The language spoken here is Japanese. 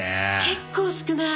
結構少ない。